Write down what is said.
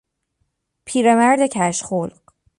پیرمرد کژخلق